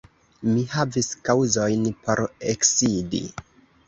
Mi havis kaŭzojn por eksidi.